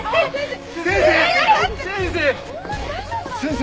先生！